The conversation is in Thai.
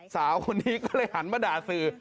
สาวคนนี้ก็เลยหันมาด่าสื่อ